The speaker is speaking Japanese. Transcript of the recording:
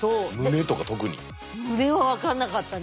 胸は分かんなかったね。